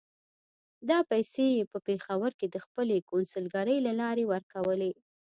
دا پیسې یې په پېښور کې د خپلې کونسلګرۍ له لارې ورکولې.